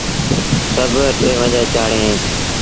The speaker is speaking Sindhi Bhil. سڀ ٽيونجھآ چآڙيٚن اهيݩ۔